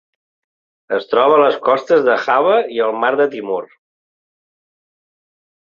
Es troba a les costes de Java i al Mar de Timor.